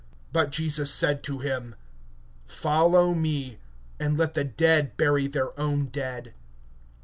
(22)But Jesus said to him: Follow me, and let the dead bury their own dead.